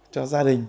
cho gia đình